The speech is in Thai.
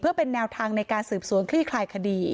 เพื่อเป็นแนวทางในการสืบสวนคลี่คลายคดี